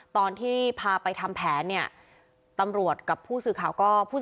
ตอนที่พาไปทำแผนตำรวจกับผู้สื่อข่าว